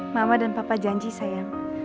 mama dan papa janji saya